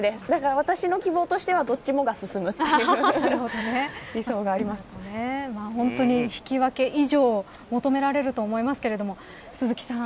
私の希望としてはどっちもが進む引き分け以上を求められると思いますけど、鈴木さん。